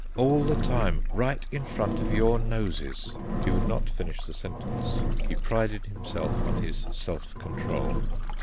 "All the time, right in front of your noses !" He would not finish the sentence; he prided himself on his self control.